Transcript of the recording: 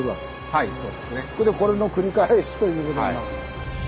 はいそうですね。これの繰り返しということになる。